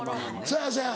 そやそや。